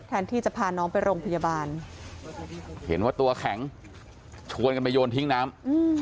แทนที่จะพาน้องไปโรงพยาบาลเห็นว่าตัวแข็งชวนกันไปโยนทิ้งน้ำอืม